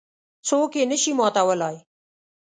څوک یې نه شي ماتولای.